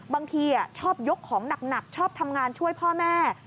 บางทีชอบยกของหนักชอบทำงานช่วยพ่อแม่